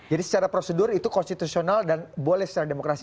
jadi secara prosedur itu konstitusional dan boleh secara demokrasi